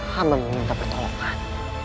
yang meminta pertolongan